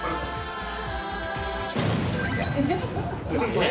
えっ？